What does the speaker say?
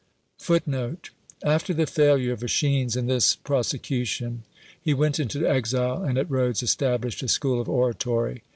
^^ After the failure of J^schines In this prosecution, he went into exile and at Rhodes eKtablished a schoo! of oratory.